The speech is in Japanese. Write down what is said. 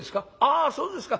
あそうですか。